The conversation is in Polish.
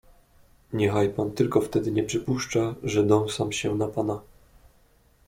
"Niechaj pan tylko wtedy nie przypuszcza, że dąsam się na pana."